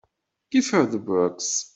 Give her the works.